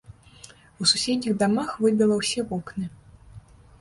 У суседніх дамах выбіла ўсе вокны.